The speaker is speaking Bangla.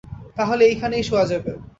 তা হলে এইখানেই শোয়া যাবে।